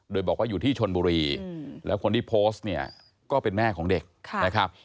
โดยบอกว่าอยู่ที่ชนบุรีแล้วคนที่โพสต์เนี่ยก็เป็นแม่ของเด็กนะครับ